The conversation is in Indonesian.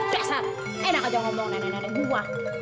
besar enak aja ngomong nenek nenek gua